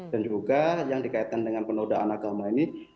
dan juga yang dikaitkan dengan penodaan agama ini